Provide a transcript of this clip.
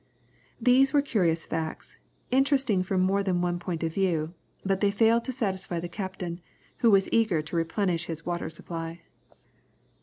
These were curious facts, interesting from more than one point of view, but they failed to satisfy the captain, who was eager to replenish his water supply.